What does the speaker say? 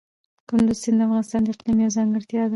کندز سیند د افغانستان د اقلیم یوه ځانګړتیا ده.